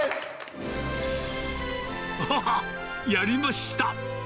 あっ、やりました。